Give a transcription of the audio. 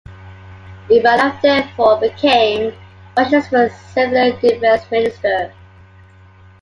Ivanov therefore became Russia's first civilian Defense minister.